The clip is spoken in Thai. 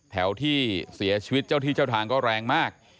แถวที่เสียชีวิตเจ้าที่เจ้าทางก็แรงมาก